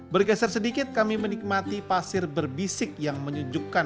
bergeser sedikit kami menikmati pasir berbisik yang menunjukkan